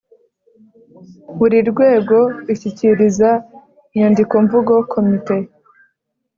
buri rwego ishyikiriza inyandikomvugo Komite